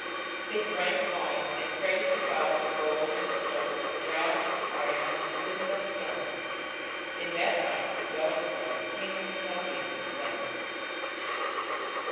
They drank wine, and praised the gods of gold, and of silver, of brass, of iron, of wood, and of stone.... In that night was Belshazzar the king of the Chaldeans slain.